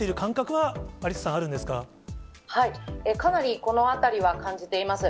はい、かなりこのあたりは感じています。